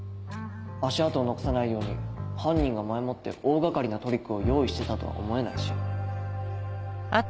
足跡を残さないように犯人が前もって大掛かりなトリックを用意してたとは思えないし。